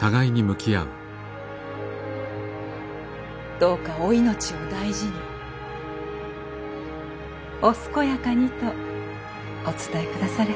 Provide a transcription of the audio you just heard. どうかお命を大事にお健やかにとお伝えくだされ。